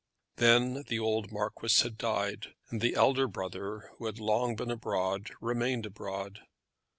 Then the old Marquis had died, and the elder brother, who had long been abroad, remained abroad.